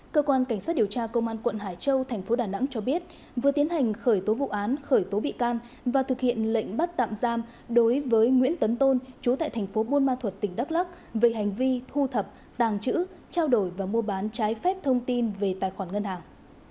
cơ quan cảnh sát điều tra công an quận hải châu thành phố đà nẵng cho biết vừa tiến hành khởi tố vụ án khởi tố bị can và thực hiện lệnh bắt tạm giam đối với nguyễn tấn tôn chú tại thành phố buôn ma thuật tỉnh đắk lắc về hành vi thu thập tàng chữ trao đổi và mua bán trái phép thông tin về tài khoản ngân hàng